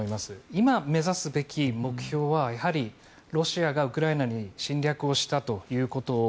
今、目指すべき目標はロシアがウクライナに侵略をしたということ